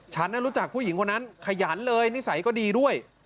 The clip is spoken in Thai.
ฉันรู้จักผู้หญิงคนนั้นขยันเลยนิสัยก็ดีด้วย